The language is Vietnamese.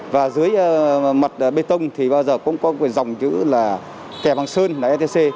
và dưới mặt bê tông thì bao giờ cũng có quyền dòng chữ là thẻ bằng sơn là etc